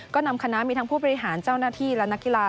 ก็นำคณะมีทั้งผู้บริหารเจ้าหน้าที่และนักกีฬา